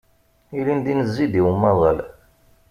Ilindi nezzi-d i umaḍal.